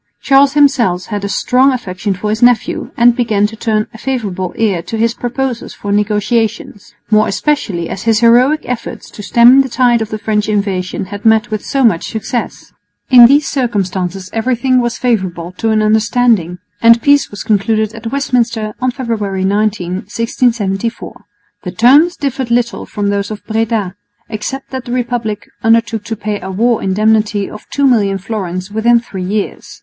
Charles himself had a strong affection for his nephew, and began to turn a favourable ear to his proposals for negotiations, more especially as his heroic efforts to stem the tide of French invasion had met with so much success. In these circumstances everything was favourable to an understanding; and peace was concluded at Westminster on February 19,1674. The terms differed little from those of Breda, except that the Republic undertook to pay a war indemnity of 2,000,000 fl. within three years.